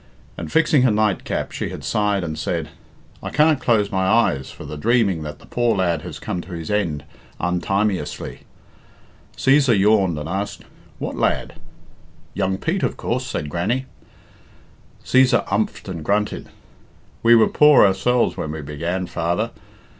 And, fixing her nightcap, she had sighed and said, "I can't close my eyes for dreaming that the poor lad has come to his end untimeously." Cæsar yawned, and asked, "What lad?" "Young Pete, of course," said Grannie. Cæsar umpht and grunted. "We were poor ourselves when we began, father."